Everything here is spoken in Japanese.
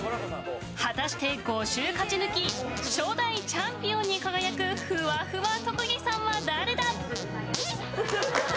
果たして、５週勝ち抜き初代チャンピオンに輝くふわふわ特技さんは誰だ？